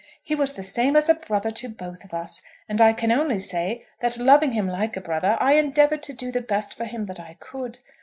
He was the same as a brother to both of us; and I can only say, that loving him like a brother, I endeavoured to do the best for him that I could.